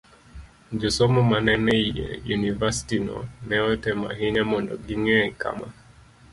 Josomo ma ne nie yunivasitino ne otemo ahinya mondo ging'e kama